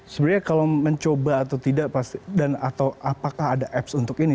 sebenarnya kalau mencoba atau tidak dan atau apakah ada apps untuk ini